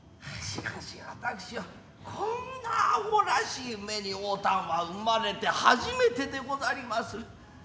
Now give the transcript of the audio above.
しかし私もこんな阿呆らしい目におうたんは生まれて初めてでござります。